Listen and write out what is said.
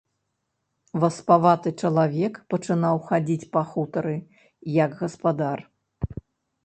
Васпаваты чалавек пачынаў хадзіць па хутары, як гаспадар.